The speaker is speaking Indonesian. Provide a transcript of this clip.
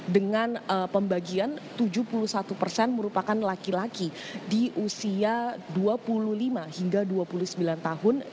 dengan pembagian tujuh puluh satu persen merupakan laki laki di usia dua puluh lima hingga dua puluh sembilan tahun